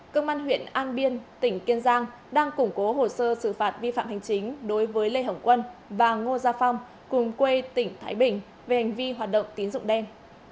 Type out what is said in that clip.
công an huyện an biên tỉnh kiên giang đang củng cố hồ sơ xử phạt vi phạm hành chính đối với lê hồng quân và ngô gia phong cùng quê tỉnh thái bình về hành vi hoạt động tín dụng đen